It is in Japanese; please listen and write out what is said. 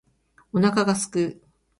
お腹が空く